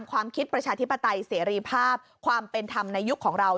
ความคิดประชาธิปไตยเสรีภาพความเป็นธรรมในยุคของเรา